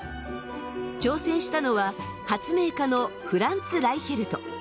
挑戦したのは発明家のフランツ・ライヒェルト。